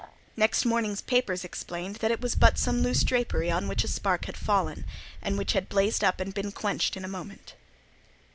Next morning's papers explained that it was but some loose drapery on which a spark had fallen, and which had blazed up and been quenched in a moment.